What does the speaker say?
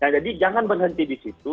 jadi jangan berhenti di situ